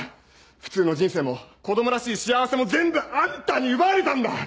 普通の人生も子供らしい幸せも全部あんたに奪われたんだ！